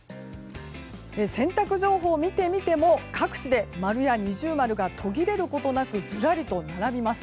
洗濯情報を見てみても各地で〇や◎が途切れることなくずらりと並びます。